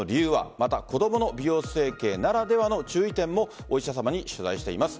また、子供の美容整形ならではの注意点もお医者さまに取材しています。